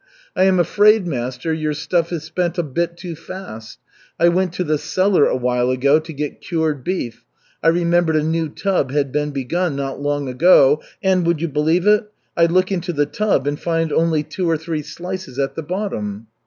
"I am afraid, master, your stuff is spent a bit too fast. I went to the cellar a while ago to get cured beef. I remembered a new tub had been begun not long ago, and would you believe it? I look into the tub and find only two or three slices at the bottom."